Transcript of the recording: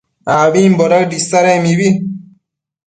abimbo daëd isadec mibi